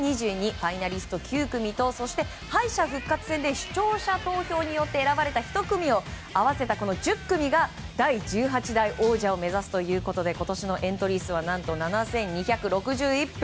ファイナリスト９組と敗者復活戦で視聴者投票によって選ばれた１組を合わせた１０組が、第１８代王者を目指すということで今年のエントリー数は７６００以上。